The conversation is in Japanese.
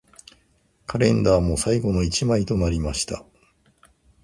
カレンダーも最後の一枚となりました